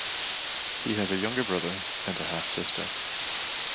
He has a younger brother and a half-sister.